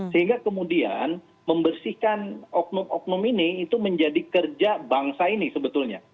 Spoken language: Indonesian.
sehingga kemudian membersihkan oknum oknum ini itu menjadi kerja bangsa ini sebetulnya